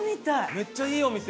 めっちゃいいお店。